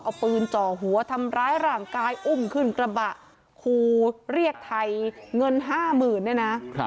เอาปืนจ่อหัวทำร้ายร่างกายอุ้มขึ้นกระบะคูเรียกไทยเงิน๕๐๐๐เนี่ยนะ